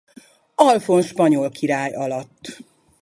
Alfonz spanyol király alatt.